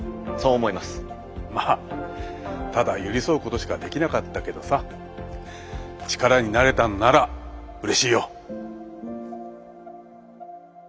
まあただ寄り添うことしかできなかったけどさ力になれたのならうれしいよ！